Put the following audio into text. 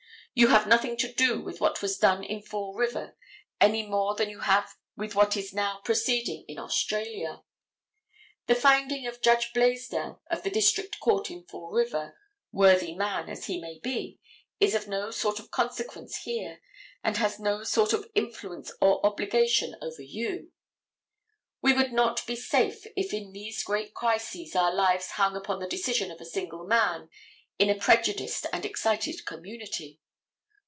You have nothing to do with what was done in Fall River any more than you have with what is now proceeding in Australia. The finding of Judge Blaisdell of the district court in Fall River, worthy man as he may be, is of no sort of consequence here, and has no sort of influence or obligation over you. We would not be safe if in these great crises our lives hung upon the decision of a single man in a prejudiced and excited community.